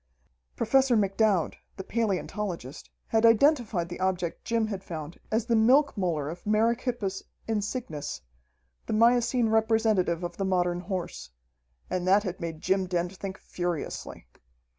Professor McDowd, the palaeontologist, had identified the object Jim had found as the milk molar of merychippus insignis, the miocene representative of the modern horse. And that had made Jim Dent think furiously.